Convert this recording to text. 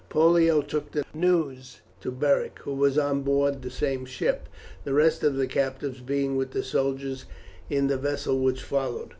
Pollio took the news to Beric, who was on board the same ship, the rest of the captives being with the soldiers in the vessel which followed.